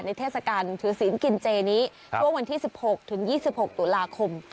เทศกาลถือศีลกินเจนี้ช่วงวันที่๑๖ถึง๒๖ตุลาคม